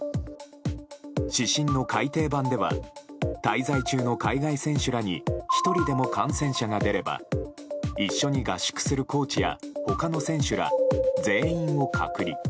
指針の改訂版では滞在中の海外選手らに１人でも感染者が出れば一緒に合宿するコーチや他の選手ら、全員を隔離。